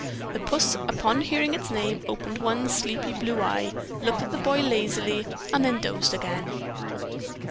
The puss, upon hearing its name, opened one sleepy blue eye, looked at the boy lazily and then dozed again.